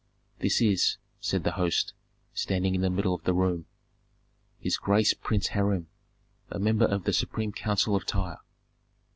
"This is," said the host, standing in the middle of the room, "his grace Prince Hiram, a member of the supreme council of Tyre.